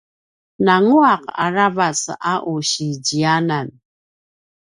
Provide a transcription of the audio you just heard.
nanguaq a ravac a u si ziyanan